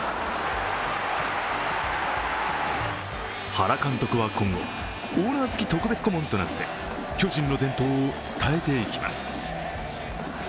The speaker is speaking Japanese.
原監督は今後、オーナー付特別顧問となって巨人の伝統を伝えていきます。